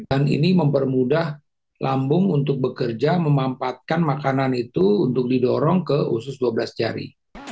ini mempermudah lambung untuk bekerja memampatkan makanan itu untuk didorong ke usus dua belas jari